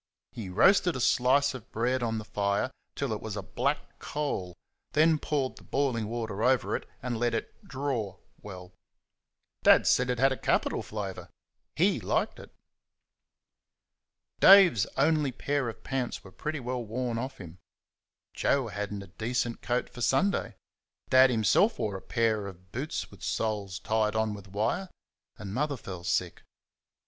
He roasted a slice of bread on the fire till it was like a black coal, then poured the boiling water over it and let it "draw" well. Dad said it had a capital flavour HE liked it. Dave's only pair of pants were pretty well worn off him; Joe had n't a decent coat for Sunday; Dad himself wore a pair of boots with soles tied on with wire; and Mother fell sick.